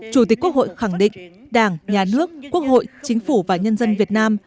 chủ tịch quốc hội khẳng định đảng nhà nước quốc hội chính phủ và nhân dân việt nam